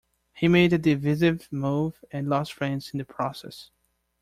He made a divisive move and lost friends in the process.